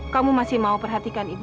kamu masih mau perhatikan ibu